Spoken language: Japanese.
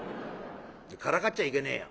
「からかっちゃいけねえよ」。